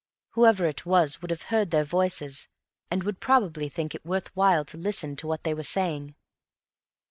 Whoever it was would have heard their voices, and would probably think it worth while to listen to what they were saying.